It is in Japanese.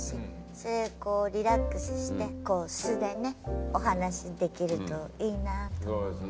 それでこうリラックスして素でねお話できるといいなと思いますね。